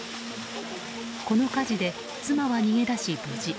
この火事で妻は逃げ出し無事。